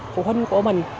phụ huynh của mình